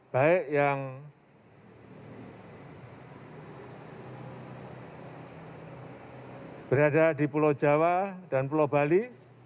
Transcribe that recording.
baik yang berada di pulau jawa dan pulau bali